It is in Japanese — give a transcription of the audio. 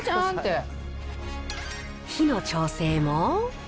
火の調整も。